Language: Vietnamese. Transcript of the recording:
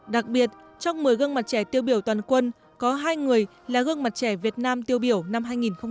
đặc biệt trong một mươi gương mặt trẻ tiêu biểu toàn quân có hai người là gương mặt trẻ việt nam tiêu biểu năm hai nghìn một mươi tám